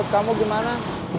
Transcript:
terima kasih atu